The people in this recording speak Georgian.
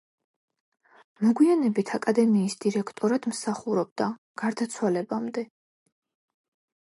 მოგვიანებით აკადემიის დირექტორად მსახურობდა გარდაცვალებამდე.